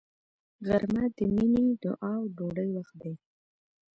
غرمه د مینې، دعا او ډوډۍ وخت دی